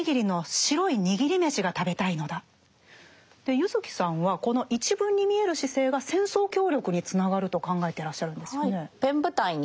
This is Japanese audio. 柚木さんはこの一文に見える姿勢が戦争協力につながると考えてらっしゃるんですよね。